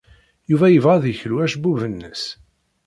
Yuba yebɣa ad yeklu acebbub-nnes.